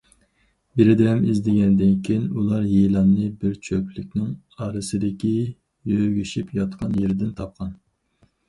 بىردەم ئىزدىگەندىن كېيىن ئۇلار يىلاننى بىر چۆپلۈكنىڭ ئارىسىدىكى يۆگىشىپ ياتقان يېرىدىن تاپقان.